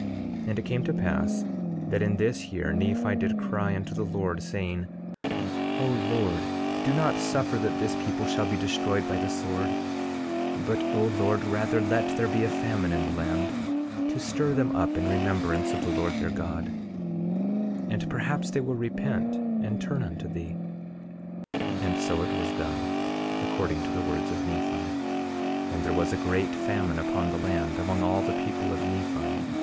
11:3 And it came to pass that in this year Nephi did cry unto the Lord, saying: 11:4 O Lord, do not suffer that this people shall be destroyed by the sword; but O Lord, rather let there be a famine in the land, to stir them up in remembrance of the Lord their God, and perhaps they will repent and turn unto thee. 11:5 And so it was done, according to the words of Nephi. And there was a great famine upon the land, among all the people of Nephi.